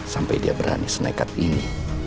sampai dia berani snekat ini